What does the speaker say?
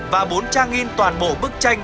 và bốn trang in toàn bộ bức tranh